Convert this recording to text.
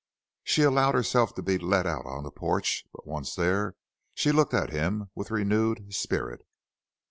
She allowed herself to be led out on the porch, but once there she looked at him with renewed spirit.